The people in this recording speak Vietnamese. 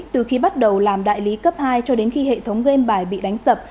từ khi bắt đầu làm đại lý cấp hai cho đến khi hệ thống game bài bị đánh sập